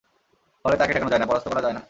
ফলে তাঁকে ঠেকানো যায় না, পরাস্ত করা যায় না।